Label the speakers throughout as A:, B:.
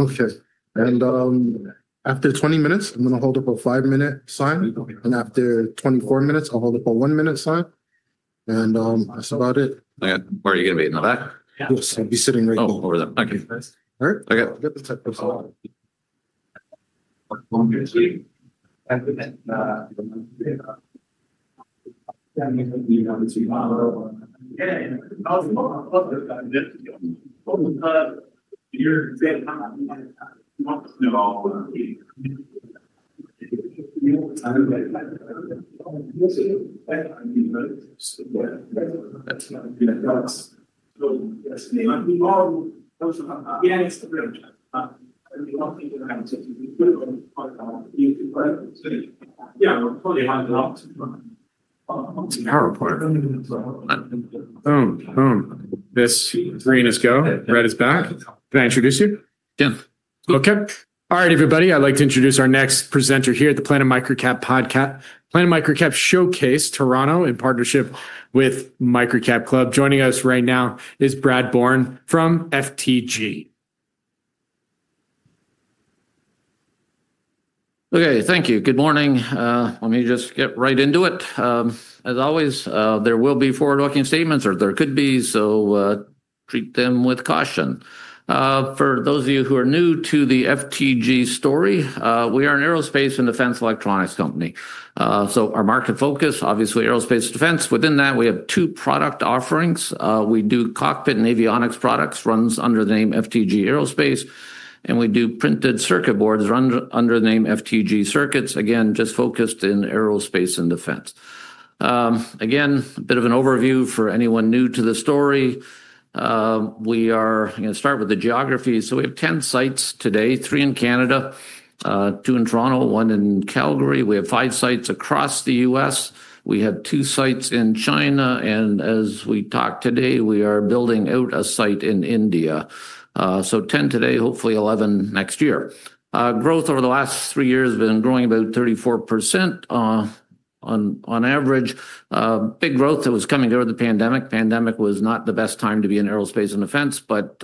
A: Okay. After 20 minutes, I'm going to hold up a five-minute sign. After 24 minutes, I'll hold up a one-minute sign. That's about it.
B: Okay. Where are you going to be? In the back?
A: Yes, I'll be sitting right there.
B: Oh, over there. Okay.
A: All right.
B: Okay. PowerPoint. This green is go, red is back. Can I introduce you?
A: Yeah.
B: Okay. All right, everybody. I'd like to introduce our next presenter here at the Planet Microcap Showcase Toronto in partnership with Microcap Club. Joining us right now is Brad Bourne from Firan Technology Group Corporation.
A: Okay. Thank you. Good morning. Let me just get right into it. As always, there will be forward-looking statements or there could be, so treat them with caution. For those of you who are new to the FTG story, we are an aerospace and defense electronics company. Our market focus, obviously, is aerospace defense. Within that, we have two product offerings. We do cockpit and avionics products, runs under the name FTG Aerospace. We do printed circuit boards, run under the name FTG Circuits. Again, just focused in aerospace and defense. A bit of an overview for anyone new to the story. We are going to start with the geography. We have 10 sites today, three in Canada, two in Toronto, one in Calgary. We have five sites across the U.S. We have two sites in China. As we talk today, we are building out a site in India. Ten today, hopefully 11 next year. Growth over the last three years has been growing about 34% on average. Big growth that was coming out of the pandemic. The pandemic was not the best time to be in aerospace and defense, but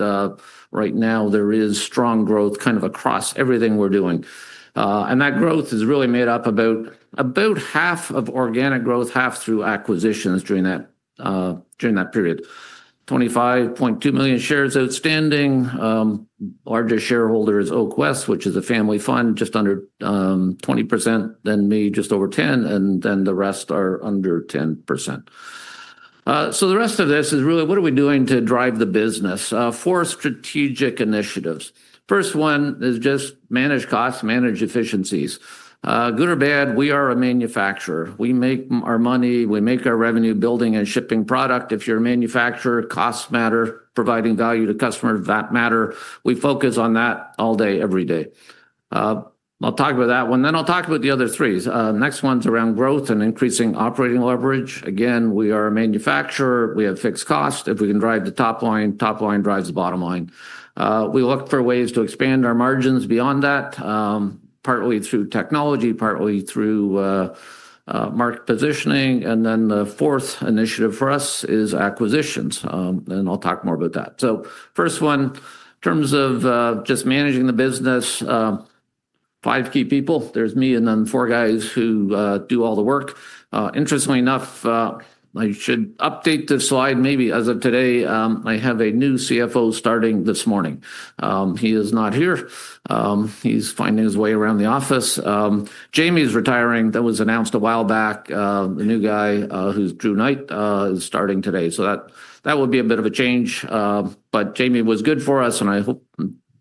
A: right now there is strong growth kind of across everything we're doing. That growth is really made up about half of organic growth, half through acquisitions during that period. 25.2 million shares outstanding. Largest shareholder is Oakwest, which is a family fund, just under 20%. Then me, just over 10%. The rest are under 10%. The rest of this is really what are we doing to drive the business. Four strategic initiatives. First one is just manage costs, manage efficiencies. Good or bad, we are a manufacturer. We make our money, we make our revenue building and shipping product. If you're a manufacturer, costs matter. Providing value to customers, that matters. We focus on that all day, every day. I'll talk about that one. I'll talk about the other three. Next one's around growth and increasing operating leverage. We are a manufacturer. We have fixed costs. If we can drive the top line, top line drives the bottom line. We look for ways to expand our margins beyond that, partly through technology, partly through market positioning. The fourth initiative for us is acquisitions. I'll talk more about that. First one, in terms of just managing the business, five key people. There's me and then four guys who do all the work. Interestingly enough, I should update this slide maybe as of today. I have a new CFO starting this morning. He is not here. He's finding his way around the office. Jamie's retiring. That was announced a while back. The new guy, who's Drew Knight, is starting today. That would be a bit of a change. Jamie was good for us, and I hope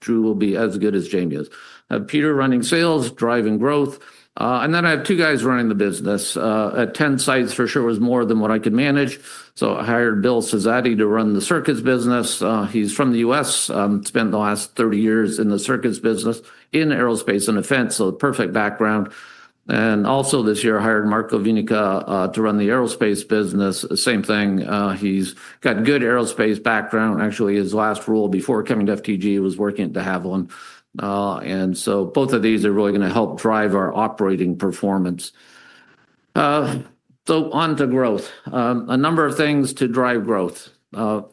A: Drew will be as good as Jamie is. I have Peter running sales, driving growth. I have two guys running the business. At 10 sites, for sure, it was more than what I could manage. I hired Bill Cesari to run the circuits business. He's from the U.S., spent the last 30 years in the circuits business in aerospace and defense, so a perfect background. Also this year, I hired Marco Venica to run the aerospace business. Same thing. He's got good aerospace background. Actually, his last role before coming to FTG was working at De Havilland. Both of these are really going to help drive our operating performance. On to growth. A number of things to drive growth.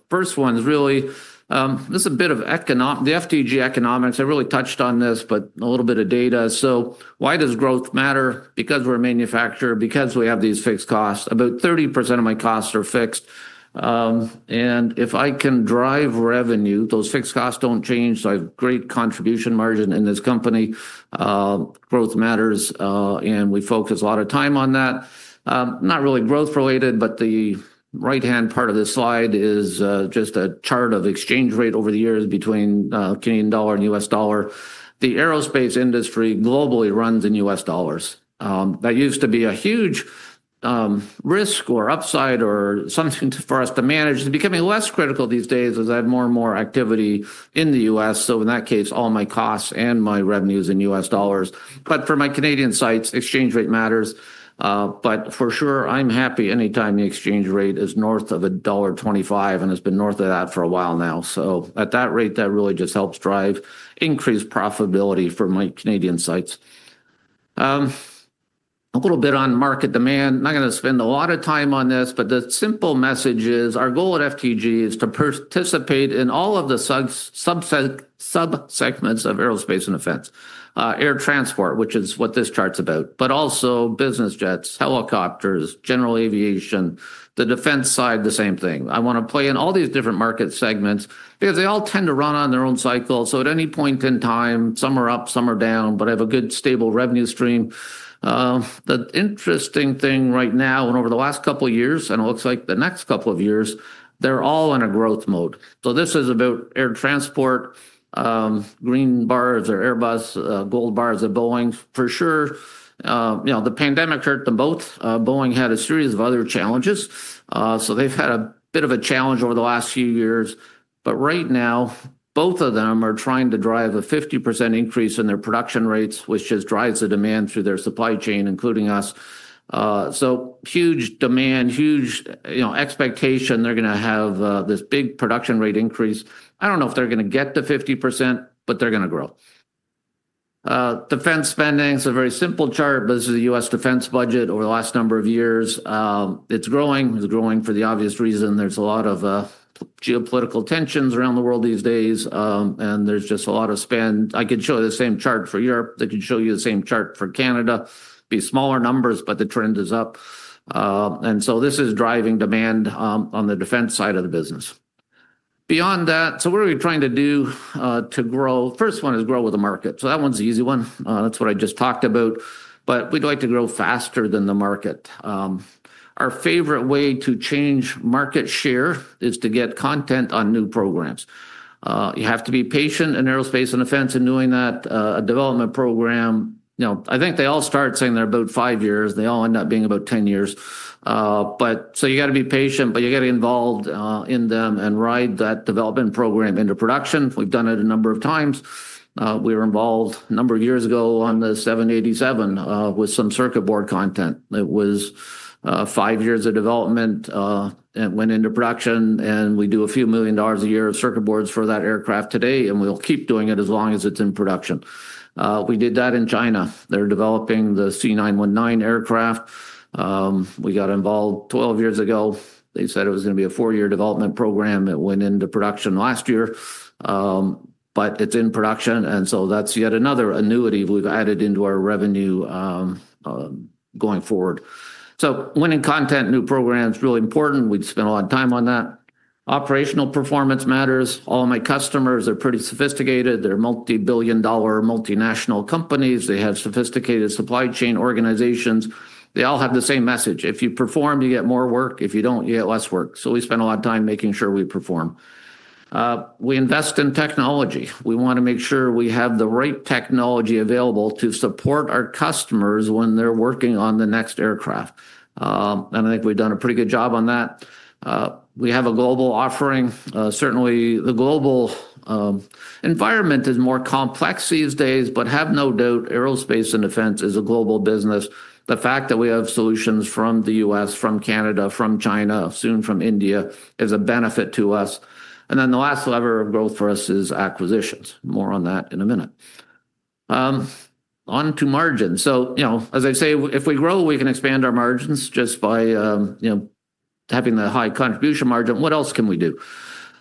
A: First one's really, this is a bit of economics. The FTG economics, I really touched on this, but a little bit of data. Why does growth matter? Because we're a manufacturer, because we have these fixed costs. About 30% of my costs are fixed. If I can drive revenue, those fixed costs don't change. I have great contribution margin in this company. Growth matters. We focus a lot of time on that. Not really growth-related, but the right-hand part of this slide is just a chart of exchange rate over the years between Canadian dollar and U.S. dollar. The aerospace industry globally runs in U.S. dollars. That used to be a huge risk or upside or something for us to manage. It's becoming less critical these days as I have more and more activity in the U.S. In that case, all my costs and my revenue is in U.S. dollars. For my Canadian sites, exchange rate matters. For sure, I'm happy anytime the exchange rate is north of dollar 1.25 and has been north of that for a while now. At that rate, that really just helps drive increased profitability for my Canadian sites. A little bit on market demand. I'm not going to spend a lot of time on this, but the simple message is our goal at FTG is to participate in all of the subsegments of aerospace and defense. Air transport, which is what this chart's about, but also business jets, helicopters, general aviation, the defense side, the same thing. I want to play in all these different market segments because they all tend to run on their own cycle. At any point in time, some are up, some are down, but I have a good stable revenue stream. The interesting thing right now, and over the last couple of years, and it looks like the next couple of years, they're all in a growth mode. This is about air transport. Green bars are Airbus, gold bars are Boeing. For sure, the pandemic hurt them both. Boeing had a series of other challenges. They've had a bit of a challenge over the last few years. Right now, both of them are trying to drive a 50% increase in their production rates, which just drives the demand through their supply chain, including us. Huge demand, huge expectation. They're going to have this big production rate increase. I don't know if they're going to get to 50%, but they're going to grow. Defense spending, it's a very simple chart, but this is the U.S. defense budget over the last number of years. It's growing. It's growing for the obvious reason. There's a lot of geopolitical tensions around the world these days, and there's just a lot of spend. I could show you the same chart for Europe. I could show you the same chart for Canada. It would be smaller numbers, but the trend is up. This is driving demand on the defense side of the business. Beyond that, what are we trying to do to grow? First one is grow with the market. That one's the easy one. That's what I just talked about. We'd like to grow faster than the market. Our favorite way to change market share is to get content on new programs. You have to be patient in aerospace and defense in doing that. A development program, I think they all start saying they're about five years. They all end up being about 10 years. You have to be patient, but you have to get involved in them and ride that development program into production. We've done it a number of times. We were involved a number of years ago on the 787 with some circuit board content. It was five years of development. It went into production, and we do a few million dollars a year of circuit boards for that aircraft today, and we'll keep doing it as long as it's in production. We did that in China. They're developing the C919 aircraft. We got involved 12 years ago. They said it was going to be a four-year development program. It went into production last year, but it's in production. That's yet another annuity we've added into our revenue going forward. Winning content, new programs, really important. We'd spend a lot of time on that. Operational performance matters. All my customers, they're pretty sophisticated. They're multi-billion dollar multinational companies. They have sophisticated supply chain organizations. They all have the same message. If you perform, you get more work. If you don't, you get less work. We spend a lot of time making sure we perform. We invest in technology. We want to make sure we have the right technology available to support our customers when they're working on the next aircraft. I think we've done a pretty good job on that. We have a global offering. Certainly, the global environment is more complex these days, but have no doubt aerospace and defense is a global business. The fact that we have solutions from the U.S., from Canada, from China, soon from India is a benefit to us. The last lever of growth for us is acquisitions. More on that in a minute. On to margins. As I say, if we grow, we can expand our margins just by having the high contribution margin. What else can we do?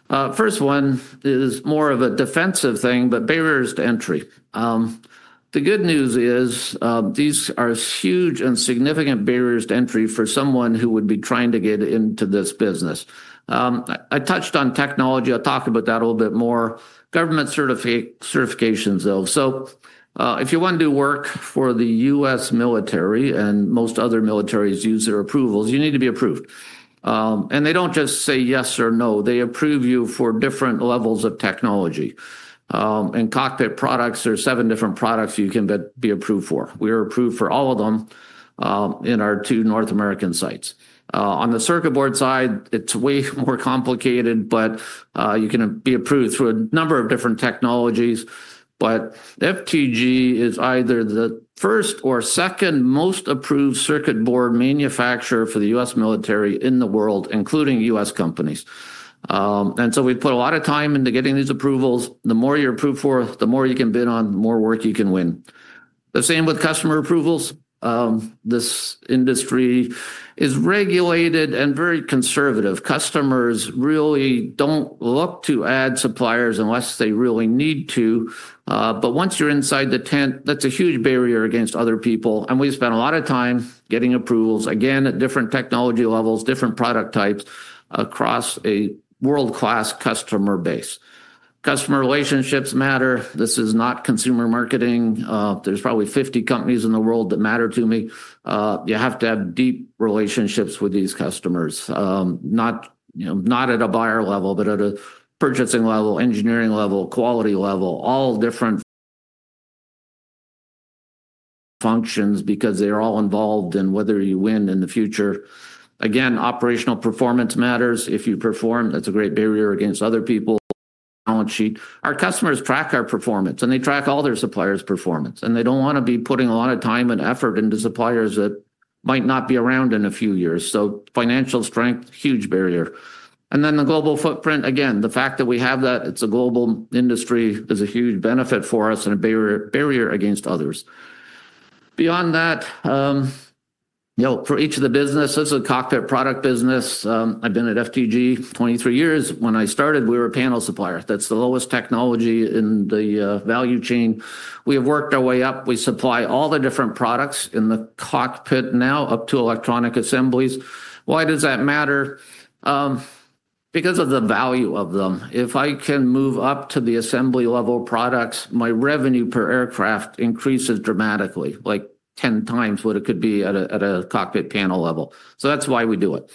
A: First one is more of a defensive thing, but barriers to entry. The good news is these are huge and significant barriers to entry for someone who would be trying to get into this business. I touched on technology. I'll talk about that a little bit more. Government certifications, though. If you want to do work for the U.S. military and most other militaries use their approvals, you need to be approved. They don't just say yes or no. They approve you for different levels of technology. Cockpit products are seven different products you can be approved for. We are approved for all of them in our two North American sites. On the circuit board side, it's way more complicated, but you can be approved through a number of different technologies. FTG is either the first or second most approved circuit board manufacturer for the U.S. military in the world, including U.S. companies. We put a lot of time into getting these approvals. The more you're approved for, the more you can bid on, the more work you can win. The same with customer approvals. This industry is regulated and very conservative. Customers really don't look to add suppliers unless they really need to. Once you're inside the tent, that's a huge barrier against other people. We spend a lot of time getting approvals, again, at different technology levels, different product types across a world-class customer base. Customer relationships matter. This is not consumer marketing. There's probably 50 companies in the world that matter to me. You have to have deep relationships with these customers, not at a buyer level, but at a purchasing level, engineering level, quality level, all different functions because they're all involved in whether you win in the future. Again, operational performance matters. If you perform, that's a great barrier against other people. Balance sheet. Our customers track our performance, and they track all their suppliers' performance. They don't want to be putting a lot of time and effort into suppliers that might not be around in a few years. Financial strength, huge barrier. The global footprint, again, the fact that we have that, it's a global industry, is a huge benefit for us and a barrier against others. Beyond that, for each of the businesses, the cockpit product business, I've been at FTG 23 years. When I started, we were a panel supplier. That's the lowest technology in the value chain. We have worked our way up. We supply all the different products in the cockpit now up to electronic assemblies. Why does that matter? Because of the value of them. If I can move up to the assembly level products, my revenue per aircraft increases dramatically, like 10 times what it could be at a cockpit panel level. That's why we do it.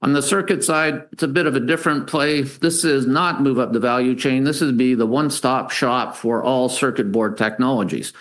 A: On the circuit side, it's a bit of a different play. This is not move up the value chain. This would be the one-stop shop for all circuit board technologies.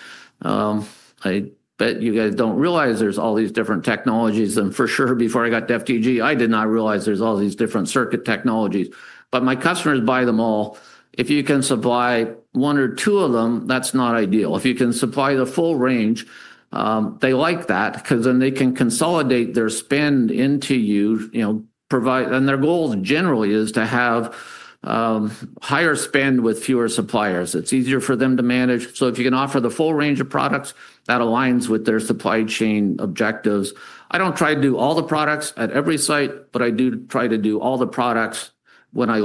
A: I bet you guys don't realize there's all these different technologies. For sure, before I got to FTG, I did not realize there's all these different circuit technologies. My customers buy them all. If you can supply one or two of them, that's not ideal. If you can supply the full range, they like that because then they can consolidate their spend into you. Their goal generally is to have higher spend with fewer suppliers. It's easier for them to manage. If you can offer the full range of products, that aligns with their supply chain objectives. I don't try to do all the products at every site, but I do try to do all the products when I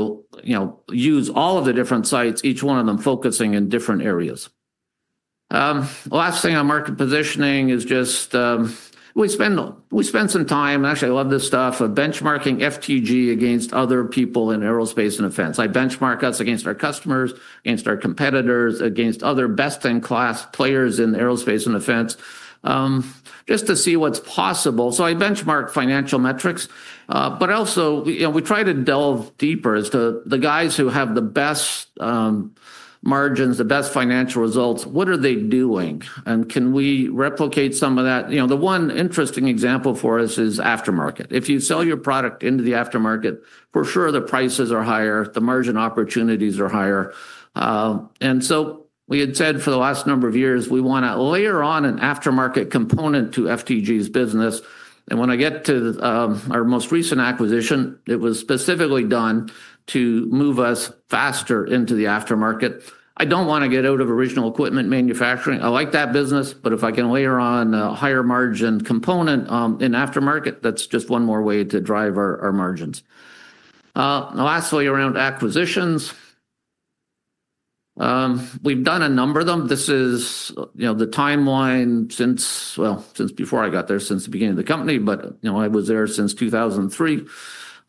A: use all of the different sites, each one of them focusing in different areas. Last thing on market positioning is just we spend some time, and actually, I love this stuff, of benchmarking FTG against other people in aerospace and defense. I benchmark us against our customers, against our competitors, against other best-in-class players in aerospace and defense, just to see what's possible. I benchmark financial metrics, but also, you know, we try to delve deeper as to the guys who have the best margins, the best financial results, what are they doing? Can we replicate some of that? The one interesting example for us is aftermarket. If you sell your product into the aftermarket, for sure, the prices are higher, the margin opportunities are higher. We had said for the last number of years, we want to layer on an aftermarket component to FTG's business. When I get to our most recent acquisition, it was specifically done to move us faster into the aftermarket. I don't want to get out of original equipment manufacturing. I like that business, but if I can layer on a higher margin component in aftermarket, that's just one more way to drive our margins. The last way around acquisitions, we've done a number of them. This is the timeline since, well, since before I got there, since the beginning of the company, but I was there since 2003.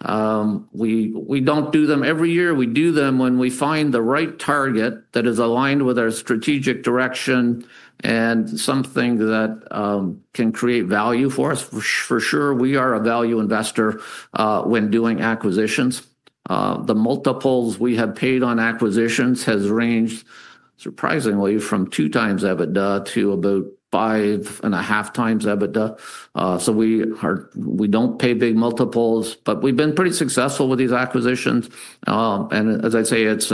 A: We don't do them every year. We do them when we find the right target that is aligned with our strategic direction and something that can create value for us. For sure, we are a value investor when doing acquisitions. The multiples we have paid on acquisitions have ranged, surprisingly, from two times EBITDA to about five and a half times EBITDA. We don't pay big multiples, but we've been pretty successful with these acquisitions. As I say, it's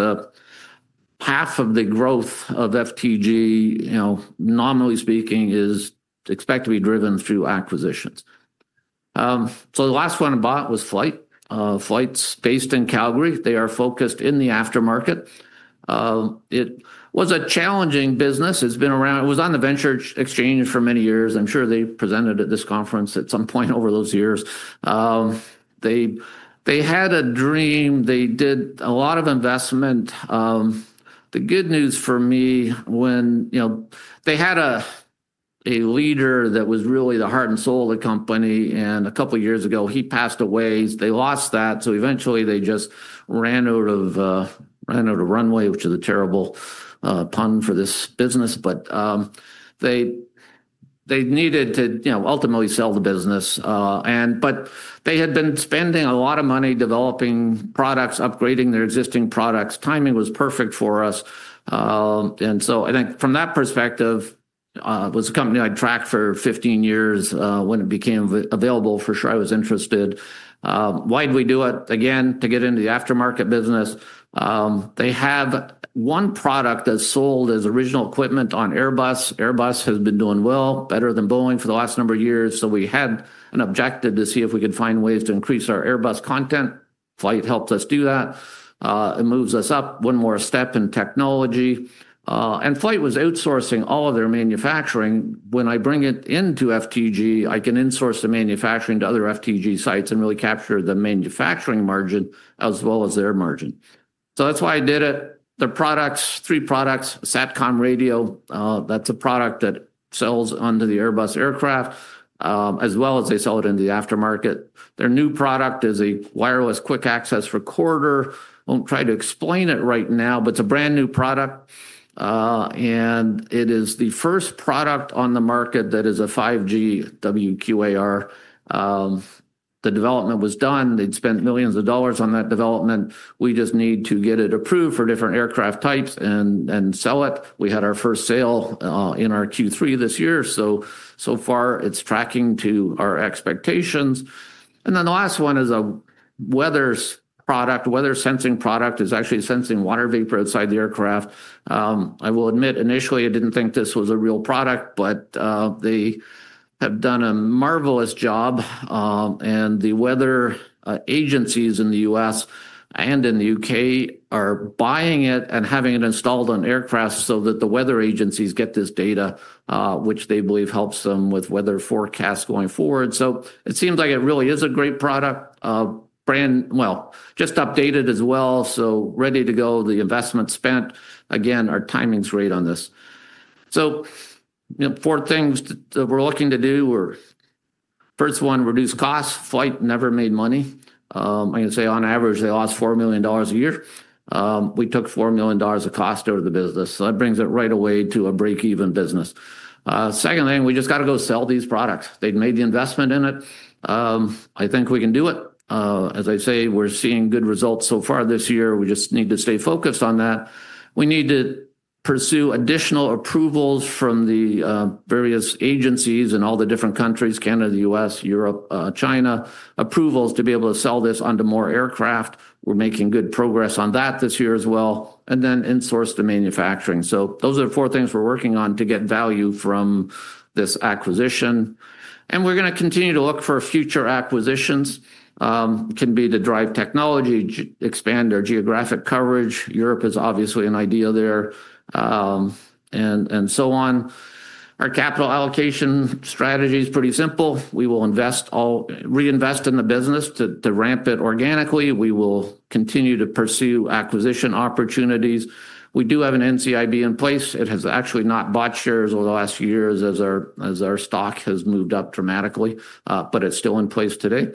A: half of the growth of FTG, nominally speaking, is expected to be driven through acquisitions. The last one I bought was FLYHT. FLYHT's based in Calgary. They are focused in the aftermarket. It was a challenging business. It's been around. It was on the Venture Exchange for many years. I'm sure they presented at this conference at some point over those years. They had a dream. They did a lot of investment. The good news for me, when, you know, they had a leader that was really the heart and soul of the company, and a couple of years ago, he passed away. They lost that. Eventually, they just ran out of runway, which is a terrible pun for this business. They needed to ultimately sell the business. They had been spending a lot of money developing products, upgrading their existing products. Timing was perfect for us. I think from that perspective, it was a company I'd tracked for 15 years. When it became available, for sure, I was interested. Why did we do it? Again, to get into the aftermarket business. They have one product that's sold as original equipment on Airbus. Airbus has been doing well, better than Boeing for the last number of years. We had an objective to see if we could find ways to increase our Airbus content. FLYHT helped us do that. It moves us up one more step in technology. FLYHT was outsourcing all of their manufacturing. When I bring it into FTG, I can insource the manufacturing to other FTG sites and really capture the manufacturing margin as well as their margin. That's why I did it. Their products, three products, Satcom Radio, that's a product that sells onto the Airbus aircraft, as well as they sell it into the aftermarket. Their new product is a wireless quick access recorder. I won't try to explain it right now, but it's a brand new product. It is the first product on the market that is a 5G Wireless Quick Access Recorder. The development was done. They'd spent millions of dollars on that development. We just need to get it approved for different aircraft types and sell it. We had our first sale in our Q3 this year. So far, it's tracking to our expectations. The last one is a weather product. Weather sensing product is actually sensing water vapor outside the aircraft. I will admit, initially, I didn't think this was a real product, but they have done a marvelous job. The weather agencies in the U.S. and in the U.K. are buying it and having it installed on aircraft so that the weather agencies get this data, which they believe helps them with weather forecasts going forward. It seems like it really is a great product. Brand, just updated as well, so ready to go. The investment spent. Our timing's great on this. Four things that we're looking to do. First one, reduce costs. FLYHT never made money. I'm going to say on average, they lost 4 million dollars a year. We took 4 million dollars of cost out of the business. That brings it right away to a break-even business. Second thing, we just got to go sell these products. They'd made the investment in it. I think we can do it. As I say, we're seeing good results so far this year. We just need to stay focused on that. We need to pursue additional approvals from the various agencies in all the different countries: Canada, the U.S., Europe, China, approvals to be able to sell this onto more aircraft. We're making good progress on that this year as well. Then insource the manufacturing. Those are the four things we're working on to get value from this acquisition. We're going to continue to look for future acquisitions. It can be to drive technology, expand our geographic coverage. Europe is obviously an idea there, and so on. Our capital allocation strategy is pretty simple. We will invest all, reinvest in the business to ramp it organically. We will continue to pursue acquisition opportunities. We do have an NCIB in place. It has actually not bought shares over the last few years as our stock has moved up dramatically, but it's still in place today.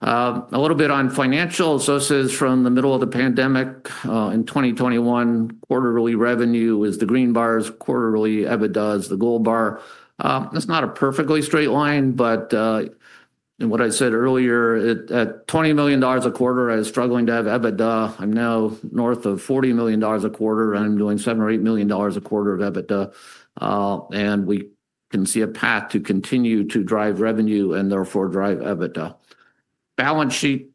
A: A little bit on financials. This is from the middle of the pandemic in 2021. Quarterly revenue is the green bars, quarterly EBITDA is the gold bar. It's not a perfectly straight line, but in what I said earlier, at 20 million dollars a quarter, I was struggling to have EBITDA. I'm now north of 40 million dollars a quarter, and I'm doing 7 or 8 million dollars a quarter of EBITDA. We can see a path to continue to drive revenue and therefore drive EBITDA. Balance sheet,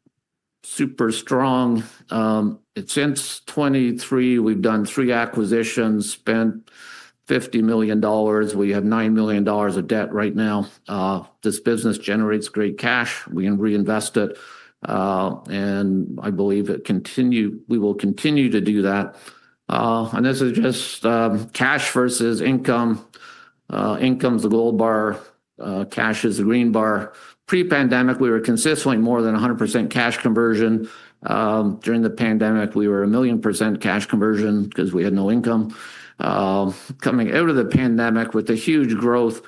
A: super strong. Since 2023, we've done three acquisitions, spent 50 million dollars. We have 9 million dollars of debt right now. This business generates great cash. We can reinvest it. I believe it continues. We will continue to do that. This is just cash versus income. Income is the gold bar. Cash is the green bar. Pre-pandemic, we were consistently more than 100% cash conversion. During the pandemic, we were a million percent cash conversion because we had no income. Coming out of the pandemic with a huge growth,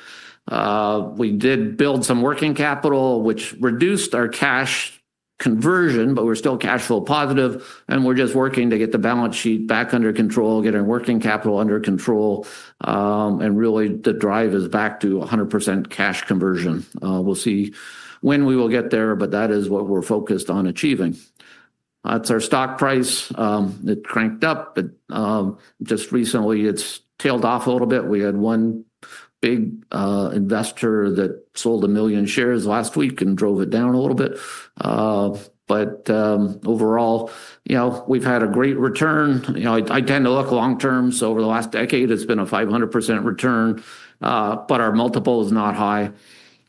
A: we did build some working capital, which reduced our cash conversion, but we're still cash flow positive. We're just working to get the balance sheet back under control, get our working capital under control. Really, the drive is back to 100% cash conversion. We'll see when we will get there, but that is what we're focused on achieving. That's our stock price. It cranked up, but just recently, it's tailed off a little bit. We had one big investor that sold a million shares last week and drove it down a little bit. Overall, we've had a great return. I tend to look long term. Over the last decade, it's been a 500% return, but our multiple is not high.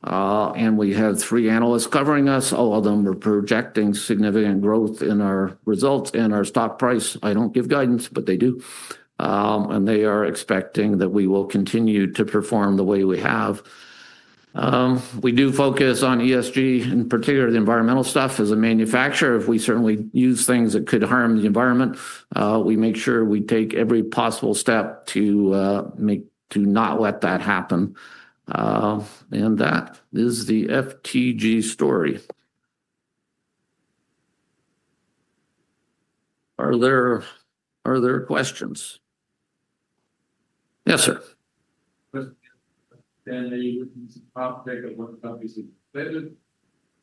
A: We had three analysts covering us. All of them were projecting significant growth in our results and our stock price. I don't give guidance, but they do. They are expecting that we will continue to perform the way we have. We do focus on ESG, in particular, the environmental stuff as a manufacturer. If we certainly use things that could harm the environment, we make sure we take every possible step to not let that happen. That is the FTG story. Are there questions? Yes, sir.
C: Are you looking to the top ticket one companies have expanded?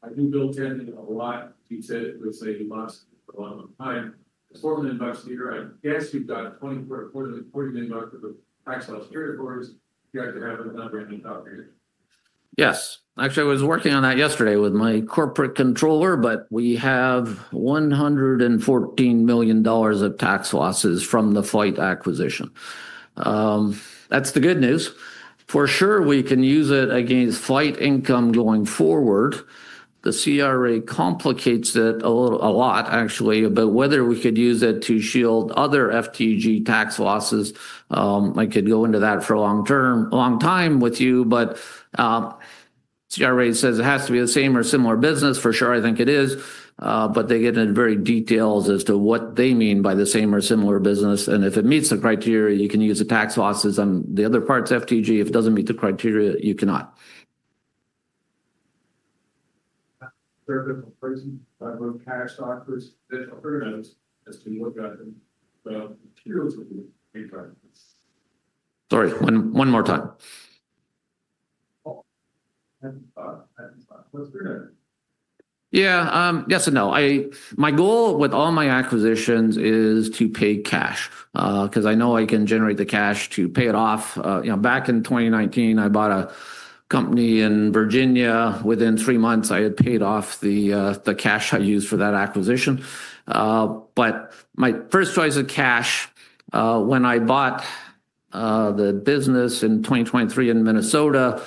C: I do Bill 10 a lot. You said it was a loss for a long, long time. The 4 million bucks a year, I guess you've got 20 million, 40 million bucks of the tax loss carryforwards. You have to have another brand new top ticket.
A: Yes. Actually, I was working on that yesterday with my Corporate Controller, but we have 114 million dollars of tax losses from the FLYHT acquisition. That's the good news. For sure, we can use it against FLYHT income going forward. The CRA complicates it a lot, actually, about whether we could use it to shield other FTG tax losses. I could go into that for a long time with you, but CRA says it has to be the same or similar business. For sure, I think it is, but they get into very details as to what they mean by the same or similar business. If it meets the criteria, you can use the tax losses on the other parts of FTG. If it doesn't meet the criteria, you cannot.
C: That's a terrific equation. I wrote cash offers. Potential hurdles as to what got them. The materials would be a great time.
A: Sorry, one more time.
C: I had some thoughts. What's your next?
A: Yeah. Yes and no. My goal with all my acquisitions is to pay cash because I know I can generate the cash to pay it off. Back in 2019, I bought a company in Virginia. Within three months, I had paid off the cash I used for that acquisition. My first choice is cash. When I bought the business in 2023 in Minnesota,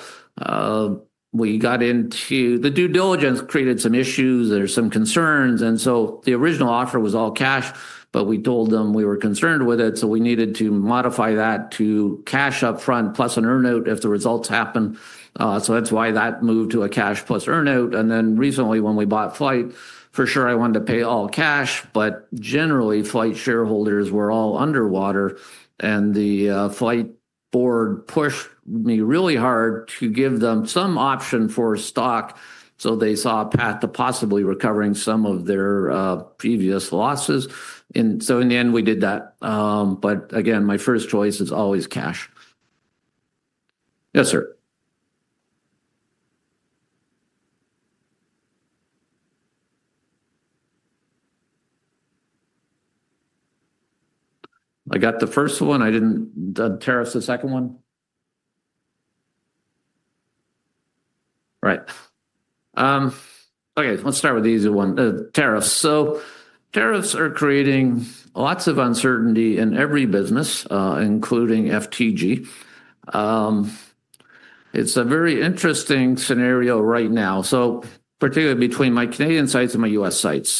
A: we got into the due diligence, created some issues, there were some concerns. The original offer was all cash, but we told them we were concerned with it, so we needed to modify that to cash upfront plus an earnout if the results happen. That is why that moved to a cash plus earnout. Recently, when we bought FLYHT, for sure, I wanted to pay all cash, but generally, FLYHT shareholders were all underwater, and the FLYHT board pushed me really hard to give them some option for stock so they saw a path to possibly recovering some of their previous losses. In the end, we did that. Again, my first choice is always cash. Yes, sir. I got the first one. I did not. Tariffs, the second one. Right. Okay. Let's start with the easy one, the tariffs. Tariffs are creating lots of uncertainty in every business, including FTG. It is a very interesting scenario right now, particularly between my Canadian sites and my U.S. sites.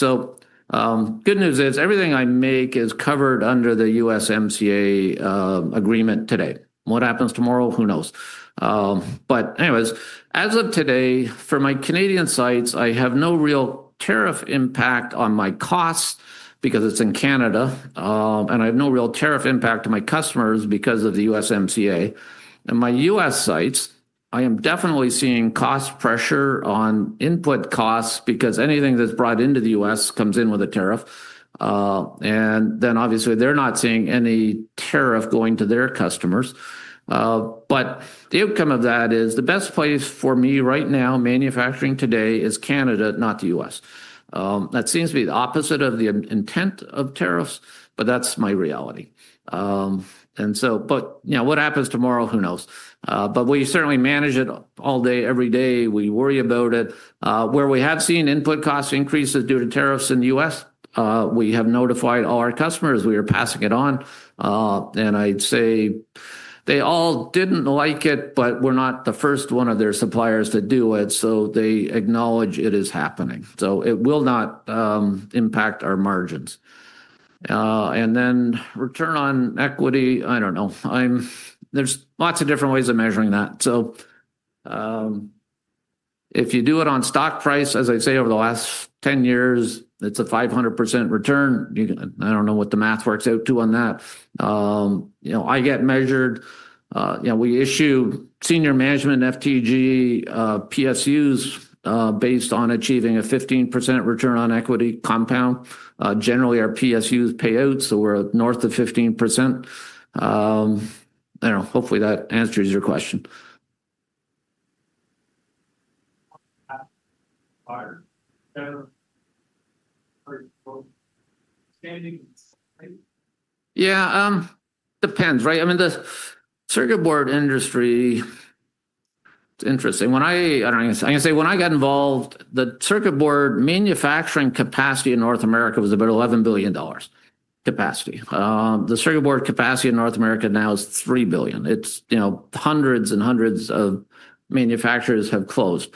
A: The good news is everything I make is covered under the USMCA agreement today. What happens tomorrow? Who knows? As of today, for my Canadian sites, I have no real tariff impact on my costs because it is in Canada, and I have no real tariff impact to my customers because of the USMCA. At my U.S. sites, I am definitely seeing cost pressure on input costs because anything that is brought into the U.S. comes in with a tariff. Obviously, they are not seeing any tariff going to their customers. The outcome of that is the best place for me right now, manufacturing today, is Canada, not the U.S. That seems to be the opposite of the intent of tariffs, but that is my reality. What happens tomorrow? Who knows? We certainly manage it all day, every day. We worry about it. Where we have seen input cost increases due to tariffs in the U.S., we have notified all our customers. We are passing it on. I would say they all did not like it, but we are not the first one of their suppliers to do it, so they acknowledge it is happening. It will not impact our margins. Return on equity, I do not know. There are lots of different ways of measuring that. If you do it on stock price, as I say, over the last 10 years, it's a 500% return. I don't know what the math works out to on that. I get measured. We issue senior management FTG PSUs based on achieving a 15% return on equity compound. Generally, our PSUs pay out. We're north of 15%. I don't know. Hopefully, that answers your question.
C: Standing. Right?
A: Yeah. It depends, right? I mean, the printed circuit board industry, it's interesting. When I, I don't know, I can say when I got involved, the printed circuit board manufacturing capacity in North America was about CAD 11 billion capacity. The printed circuit board capacity in North America now is CAD 3 billion. It's, you know, hundreds and hundreds of manufacturers have closed.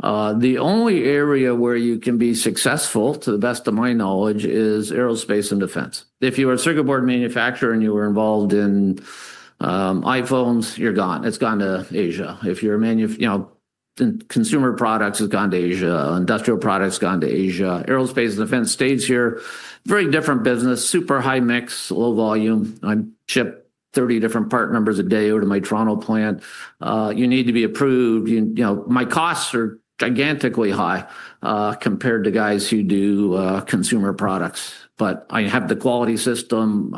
A: The only area where you can be successful, to the best of my knowledge, is aerospace and defense. If you were a printed circuit board manufacturer and you were involved in iPhones, you're gone. It's gone to Asia. If you're a manufacturer, consumer products have gone to Asia. Industrial products have gone to Asia. Aerospace and defense stays here. Very different business, super high mix, low volume. I ship 30 different part numbers a day over to my Toronto plant. You need to be approved. You know, my costs are gigantically high compared to guys who do consumer products. I have the quality system,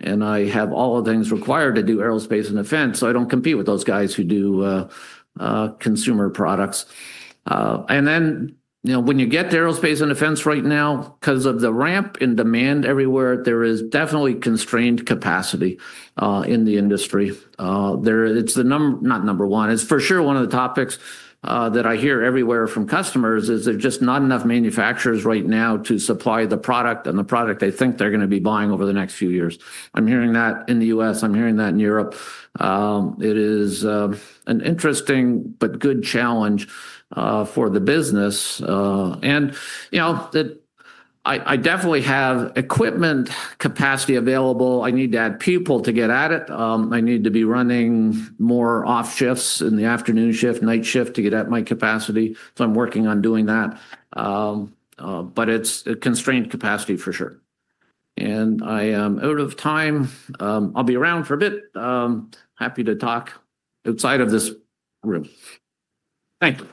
A: and I have all the things required to do aerospace and defense. I don't compete with those guys who do consumer products. You know, when you get to aerospace and defense right now, because of the ramp in demand everywhere, there is definitely constrained capacity in the industry. It's the number, not number one, it's for sure one of the topics that I hear everywhere from customers is there's just not enough manufacturers right now to supply the product and the product they think they're going to be buying over the next few years. I'm hearing that in the U.S. I'm hearing that in Europe. It is an interesting but good challenge for the business. I definitely have equipment capacity available. I need to add people to get at it. I need to be running more off-shifts in the afternoon shift, night shift to get at my capacity. I'm working on doing that. It's a constrained capacity for sure. I am out of time. I'll be around for a bit. Happy to talk outside of this room. Thank you.